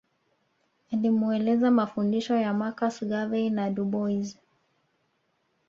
Alimueleza mafundisho ya Marcus Garvey na Du Bois